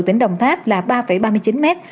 tỉnh đồng tháp là ba ba mươi chín mét